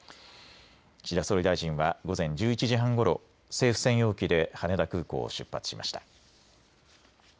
岸田総理大臣は午前１１時半ごろ、政府専用機で羽田空港を出発しました。